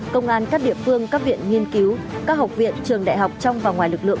công an các địa phương các viện nghiên cứu các học viện trường đại học trong và ngoài lực lượng